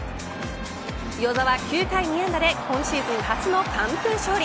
與座は９回２安打で今シーズン初の完封勝利。